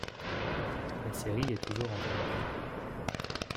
La série est toujours en cours.